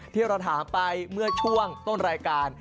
ที่เราถามไปเมื่อช่วงต้นรายการ